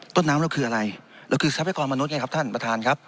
ต้นน้ำเราคืออะไรเราคือทรัพยากรมนุษย์ไงครับท่านประธานครับ